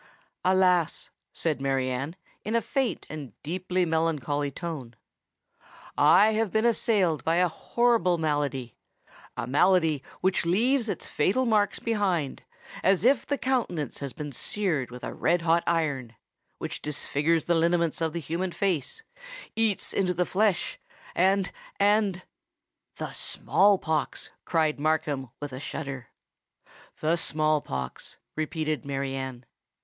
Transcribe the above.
"Alas!" said Mary Anne, in a faint and deeply melancholy tone, "I have been assailed by a horrible malady—a malady which leaves its fatal marks behind, as if the countenance had been seared with red hot iron—which disfigures the lineaments of the human face—eats into the flesh—and—and——" "The small pox!" cried Markham with a shudder. "The small pox," repeated Mary Anne.